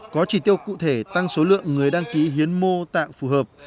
có chỉ tiêu cụ thể tăng số lượng người đăng ký hiến mô tạng phù hợp